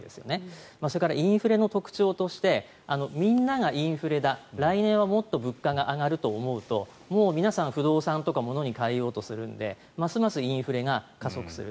それからインフレの特徴としてみんながインフレだ来年はもっと物価が上がると思うともう皆さん不動産とか物に変えようとするのでますますインフレが加速する。